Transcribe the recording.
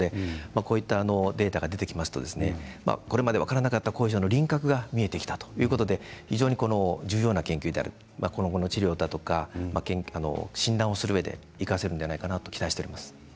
こういったデータが出てきますとこれまで分からなかった後遺症の輪郭が見えてきたということで非常に重要な研究である今後、診断をするうえで生かせるのではないかと期待しています。